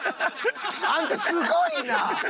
あんたすごいな！